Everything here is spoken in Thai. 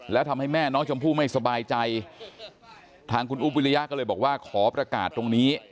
แล้วทำให้แม่น้องชมพู่ไม่สบายใจทางคุณอุ๊บวิริยะก็เลยบอกว่าขอประกาศตรงนี้